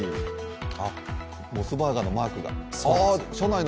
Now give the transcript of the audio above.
あっ、モスバーガーのマークが。